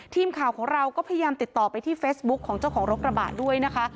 ทีมข่าวของเราก็พยายามติดต่อไปที่เฟซบุ๊คของเจ้าของรถกระบะด้วยนะคะ